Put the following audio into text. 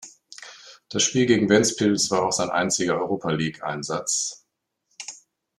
Das Spiel gegen Ventspils war auch sein einziger Europa League-Einsatz.